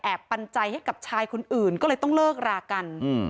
แอบปัญญาให้กับชายคนอื่นก็เลยต้องเลิกรากันอืม